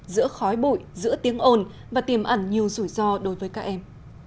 giữa khói bụi giữa tiếng ồn và tiềm ẩn nhiều rủi ro đối với các em